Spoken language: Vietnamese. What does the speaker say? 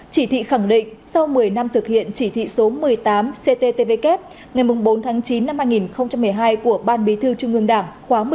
chỉ thị khẳng định sau một mươi năm thực hiện chỉ thị số một mươi tám cttvk ngày bốn tháng chín năm hai nghìn một mươi hai của ban bí thư trung ương đảng